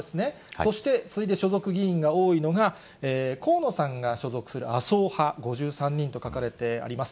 そして、次いで所属議員が多いのが、河野さんが所属する麻生派、５３人と書かれてあります。